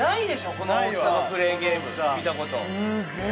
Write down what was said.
この大きさのクレーンゲーム見たことすげっ！